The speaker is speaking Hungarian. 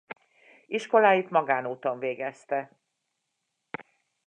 Iskoláit magánúton végezte.